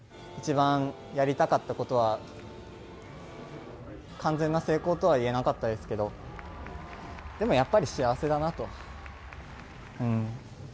一番やりたかったことは、完全な成功とはいえなかったですけど、でもやっぱり幸せだなと。